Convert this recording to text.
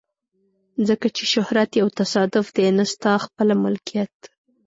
ځکه چې شهرت یو تصادف دی نه ستا خپله ملکیت.